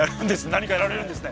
何かやられるんですね。